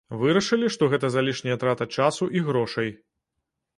Вырашылі, што гэта залішняя трата часу і грошай.